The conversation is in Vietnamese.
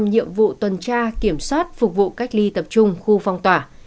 năm nhiệm vụ tuần tra kiểm soát phục vụ cách ly tập trung khu phong tỏa